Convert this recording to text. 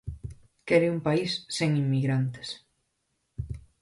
Quere un país sen inmigrantes.